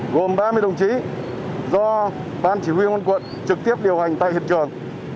gồm ba mươi đồng chí do ban chỉ huy quân quận trực tiếp điều hành tại hiện trường